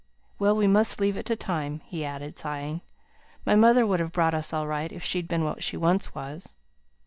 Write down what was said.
Well, we must leave it to time," he added, sighing. "My mother would have brought us all right, if she'd been what she once was."